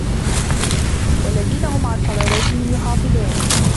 والذين هم على صلواتهم يحافظون